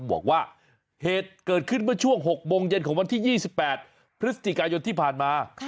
บอกว่าเหตุเกิดขึ้นเมื่อช่วง๖โมงเย็นของวันที่๒๘พฤศจิกายนที่ผ่านมา